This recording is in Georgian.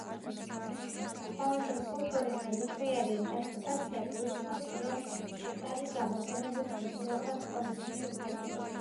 კონტრკულტურის ნებისმიერი ინტერპრეტაცია გულისხმობს, რომ ეს არის გაბატონებულ კულტურასთან კონფლიქტში მყოფი კულტურა.